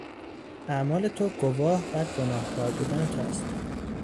اعمال تو گواه بر گناهکار بودن تو است.